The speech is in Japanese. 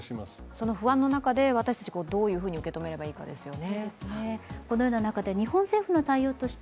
その不安の中で私たちがどう受け止めればいいかですよね。